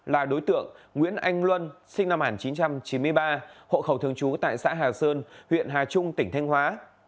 là đối tượng nguyễn anh luân sinh năm một nghìn chín trăm chín mươi ba hộ khẩu thường trú tại xã hà sơn huyện hà trung tỉnh thanh hóa